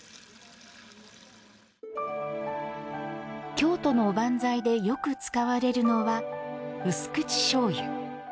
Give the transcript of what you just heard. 京都のおばんざいでよく使われるのは薄口しょうゆ。